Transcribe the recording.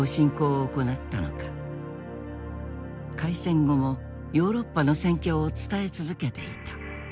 開戦後もヨーロッパの戦況を伝え続けていた。